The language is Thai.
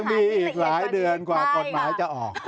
มีอีกหลายเดือนกว่ากฎหมายจะออก